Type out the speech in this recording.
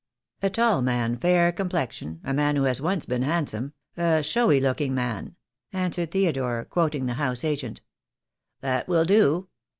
"A tall man, fair complexion, a man who has once been handsome, a showy looking man," answered Theodore, quoting the house agent. "That will do.